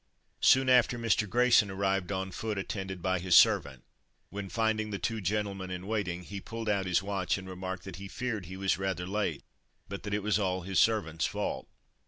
Soon after Mr. Grayson arrived on foot, attended by his servant, when, finding the two gentlemen in waiting, he pulled out his watch, and remarked that he feared he was rather late, but that it was all his servant's fault.